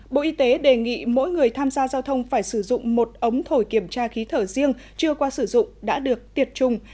bộ y tế đề nghị mỗi người tham gia giao thông phải sử dụng một ống thổi kiểm tra khí thở riêng chưa qua sử dụng đã được tiệt trùng